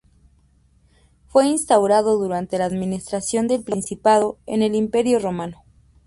Fue instaurado durante la administración del Principado en el Imperio romano.